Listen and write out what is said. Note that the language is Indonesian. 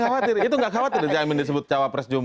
wah itu nggak khawatir yang disebut cawapres jumlu